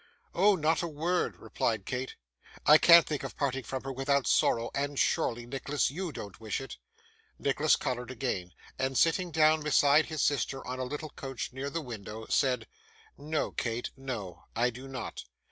'Oh, not a word,' replied Kate. 'I can't think of parting from her without sorrow; and surely, Nicholas, YOU don't wish it!' Nicholas coloured again, and, sitting down beside his sister on a little couch near the window, said: 'No, Kate, no, I do not.